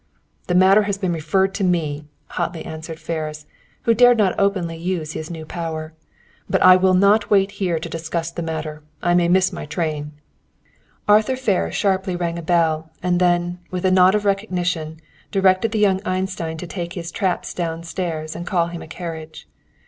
"The matter has been referred to me," hotly answered Ferris, who dared not openly use his new power. "But I will not wait here to discuss this matter. I may miss my train." Arthur Ferris sharply rang a bell, and then, with a nod of recognition, directed the young Einstein to take his traps down stairs and call him a carriage.